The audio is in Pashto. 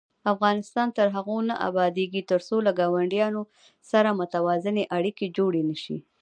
افغانستان تر هغو نه ابادیږي، ترڅو له ګاونډیانو سره متوازنې اړیکې جوړې نشي.